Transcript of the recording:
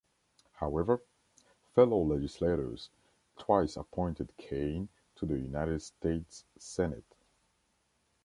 However, fellow legislators twice appointed Kane to the United States Senate.